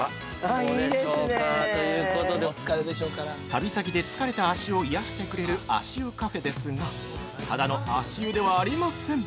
◆旅先で疲れた足を癒やしてくれる足湯カフェですがただの足湯ではありません！